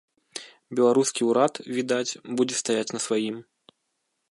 Беларускі ўрад, відаць, будзе стаяць на сваім.